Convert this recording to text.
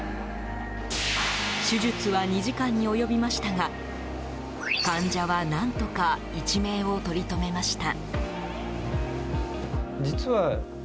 手術は２時間に及びましたが患者は何とか一命をとりとめました。